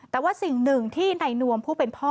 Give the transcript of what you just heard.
แต่ว่าสิ่งหนึ่งที่ในนวมผู้เป็นพ่อ